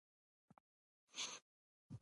زه يې مخاطب کړم.